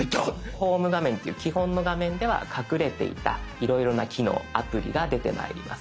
ホーム画面っていう基本の画面では隠れていたいろいろな機能アプリが出てまいります。